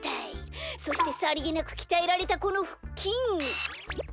そしてさりげなくきたえられたこのふっきん。